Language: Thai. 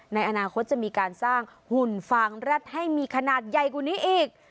ในอนาคตจะมีการสร้างหุ่นฟางแร็ดให้มีขนาดใหญ่กว่านี้อีก